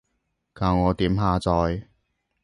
教我點下載？